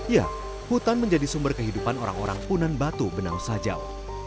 ya hutan menjadi sumber kehidupan orang orang punan batu benau sajau